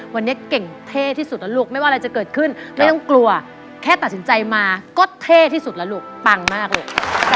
วันนี้เก่งเท่ที่สุดนะลูกไม่ว่าอะไรจะเกิดขึ้นไม่ต้องกลัวแค่ตัดสินใจมาก็เท่ที่สุดแล้วลูกปังมากลูก